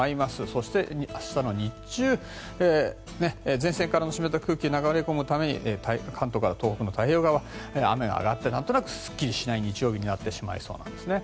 そして、明日の日中前線からの湿った空気が流れ込むために関東から東北の太平洋側は雨が上がってなんとなくすっきりしない日曜日になってしまいそうなんですね。